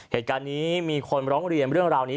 เหตุการณ์นี้มีคนร้องเรียนเรื่องราวนี้